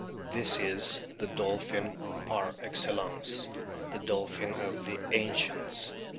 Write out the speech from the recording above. This is the "Dolphin" par excellence, the dolphin of the ancients.